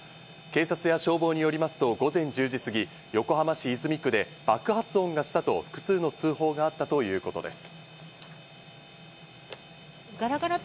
警察や消防によりますと午前１０時過ぎ横浜市泉区で爆発音がしたと複数の通報があったということです。